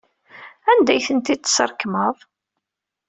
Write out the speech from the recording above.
Anda ay tent-id-tesrekmeḍ?